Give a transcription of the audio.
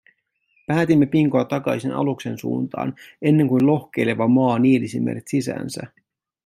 Päätimme pinkoa takaisin aluksen suuntaan, ennen kuin lohkeileva maa nielisi meidät sisäänsä.